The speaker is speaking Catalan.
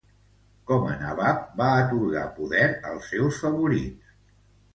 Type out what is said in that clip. Com a Nabab va atorgar poder als seus favorits.